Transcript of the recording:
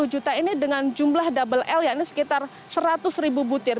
dua puluh juta ini dengan jumlah double l yang ini sekitar seratus ribu butir